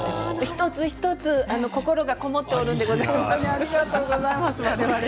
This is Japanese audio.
一つ一つ心がこもっているのでございます。